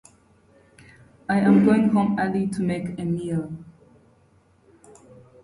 Since then, the development of artificial limbs has progressed rapidly.